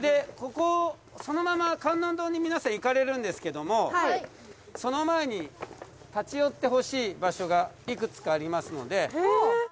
でここそのまま観音堂に皆さん行かれるんですけどもその前に立ち寄ってほしい場所が幾つかありますので。